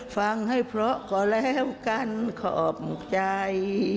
ฟังให้เพราะก็แล้วกันขอบใจ